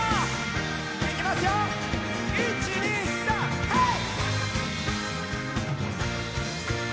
いきますよ、１、２、３、ハイ！